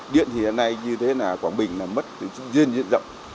điện thì hiện nay như thế là quảng bình mất riêng diện rộng